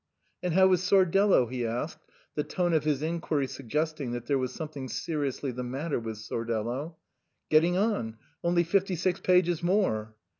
" And how is Sordello ?" he asked, the tone of his inquiry suggesting that there was some thing seriously the matter with Sordello. " Getting on. Only fifty six pages more."